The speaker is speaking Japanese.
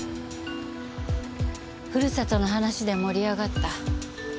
ふるさとの話で盛り上がった。